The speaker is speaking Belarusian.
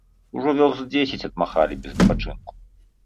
Ужо вёрст дзесяць адмахалі без адпачынку.